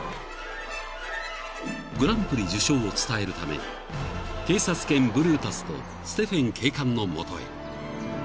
［グランプリ受賞を伝えるため警察犬ブルータスとステフェン警官の元へ］